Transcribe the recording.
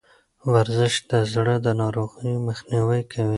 ورزش د زړه د ناروغیو مخنیوی کوي.